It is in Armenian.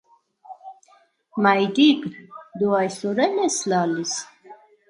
- Մայրի՜կ, դու այսօր է՞լ ես լալիս: